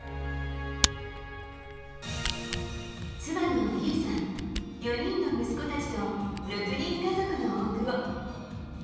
妻の莉瑛さん、４人の息子たちと６人家族の大久保。